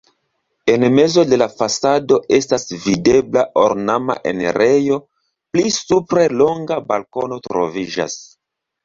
En mezo de la fasado estas videbla ornama enirejo, pli supre longa balkono troviĝas.